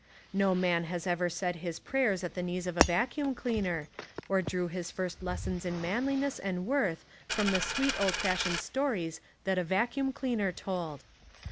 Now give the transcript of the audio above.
No man ever said his prayers at the knees of a vacuum cleaner, or drew his first lessons In manliness and worth from the sweet old fash ioned stories that a vacuum cleaner told.